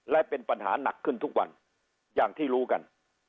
และเป็นปัญหาหนักขึ้นทุกวันอย่างที่รู้กัน